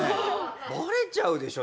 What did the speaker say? バレちゃうでしょ？